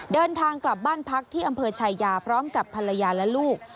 เดินทางกลับบ้านพักที่อำเภอชายาพร้อมกับภรรยาและลูก